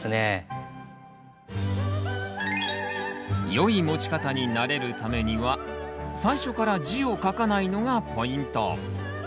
良い持ち方に慣れるためには最初から字を書かないのがポイント。